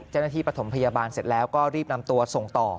เจ้าหน้าที่ปฐมพยาบาลเสร็จแล้วก็รีบนำตัวส่งต่อ